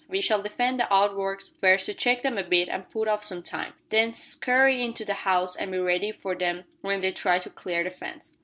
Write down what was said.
We shall defend the outworks first to check them a bit and put off some time, then scurry into the house and be ready for them when they try to clear the fence.